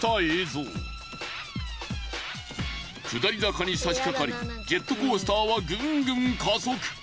下り坂にさしかかりジェットコースターはぐんぐん加速。